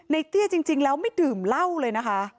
เตี้ยจริงแล้วไม่ดื่มเหล้าเลยนะคะ